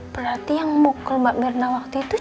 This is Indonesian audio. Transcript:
berarti yang mukul mbak mirna waktu itu